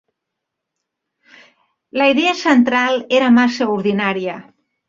La idea central era massa ordinària".